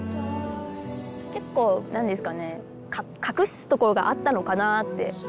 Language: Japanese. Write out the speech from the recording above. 結構何ですかね隠すところがあったのかなって。